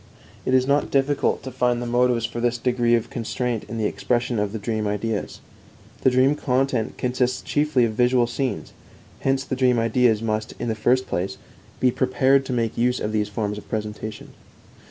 It is not difficult to find the motives for this degree of constraint in the expression of dream ideas. The dream content consists chiefly of visual scenes; hence the dream ideas must, in the first place, be prepared to make use of these forms of presentation.